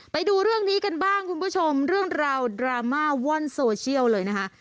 ไปดูเรื่องนี้กันบ้างคุณผู้ชมเรื่องราวดราม่าว่อนโซเชียลเลยนะคะ